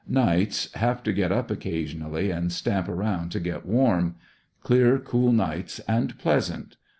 Nights have to get up occasionally and stamp around to get warm. Clear, cool nights and pleasant.